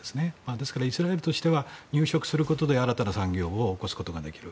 ですからイスラエルとしては入植することで新たな産業を起こすことができる。